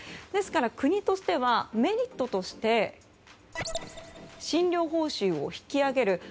ですから、国としてはメリットとして診療報酬を引き上げる。